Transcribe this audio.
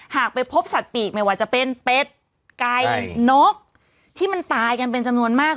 ไปพบสัตว์ปีกไม่ว่าจะเป็นเป็ดไก่นกที่มันตายกันเป็นจำนวนมาก